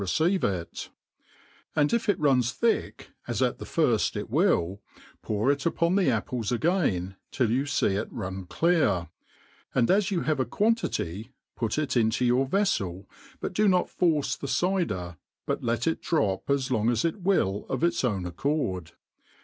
receive it ; and if it runs thick, as at the iirft it will, pour it upon the apples again, till you feeit ji[un clear | and as you h^ve aquan* tity, put ft into your it€flcl;*but do ifor force tire cyder, but let \t drop ai long as it w'iH of its oyTii ^ccprd